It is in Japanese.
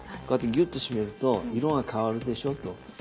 こうやってギュッと締めると色が変わるでしょと。